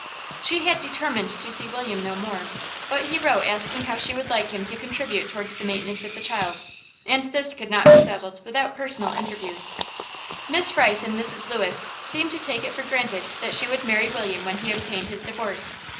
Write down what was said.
She had determined to see William no more, but he wrote asking how she would like him to contribute towards the maintenance of the child, and this could not be settled without personal interviews. Miss Rice and Mrs. Lewis seemed to take it for granted that she would marry William when he obtained his divorce.